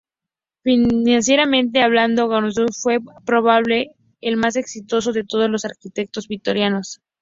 Financieramente hablando, Waterhouse fue probablemente el más exitoso de todos los arquitectos victorianos.